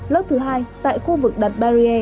lớp thứ hai tại khu vực đặt barrier